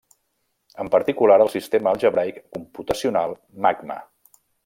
En particular el sistema algebraic computacional Magma.